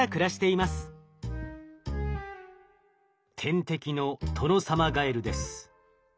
天敵のトノサマガエルです。